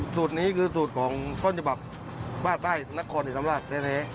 สูตรนี้คือสูตรของท่อนจบับบ้านใต้นักคลณ์ที่สำราชแท้